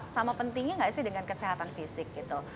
sama pentingnya nggak sih dengan kesehatan fisik gitu